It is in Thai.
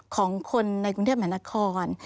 ของคนในกุณเทพแม่นคล